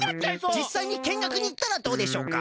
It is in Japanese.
じっさいにけんがくにいったらどうでしょうか？